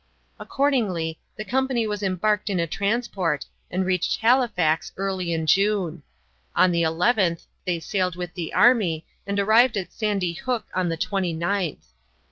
Accordingly, the company was embarked in a transport and reached Halifax early in June. On the 11th they sailed with the army and arrived at Sandy Hook on the 29th.